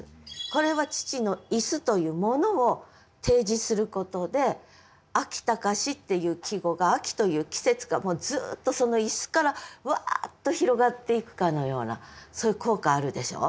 これは「父の椅子」という物を提示することで「秋高し」っていう季語が秋という季節がもうずっとその椅子からワッと広がっていくかのようなそういう効果あるでしょ？